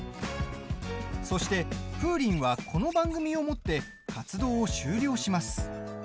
そして、Ｆｏｏｒｉｎはこの番組をもって活動を終了します。